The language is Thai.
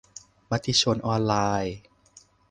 มติชนออนไลน์